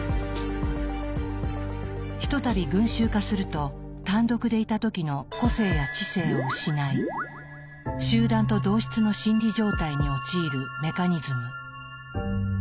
ひとたび群衆化すると単独でいた時の個性や知性を失い集団と同質の心理状態に陥るメカニズム。